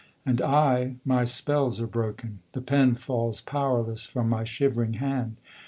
And I! my spells are broken. The pen falls powerless from my shivering hand.